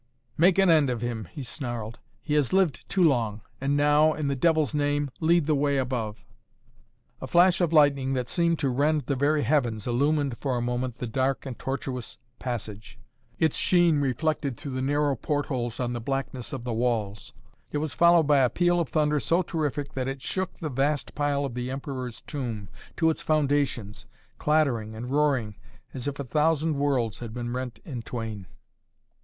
"Make an end of him!" he snarled. "He has lived too long. And now, in the devil's name, lead the way above!" A flash of lightning that seemed to rend the very heavens illumined for a moment the dark and tortuous passage, its sheen reflected through the narrow port holes on the blackness of the walls. It was followed by a peal of thunder so terrific that it shook the vast pile of the Emperor's Tomb to its foundations, clattering and roaring, as if a thousand worlds had been rent in twain.